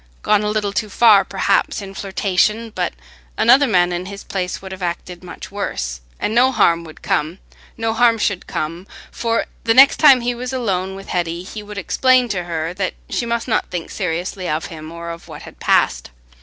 Gone a little too far, perhaps, in flirtation, but another man in his place would have acted much worse; and no harm would come—no harm should come, for the next time he was alone with Hetty, he would explain to her that she must not think seriously of him or of what had passed.